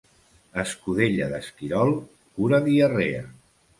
Escudella d'esquirol cura diarrea.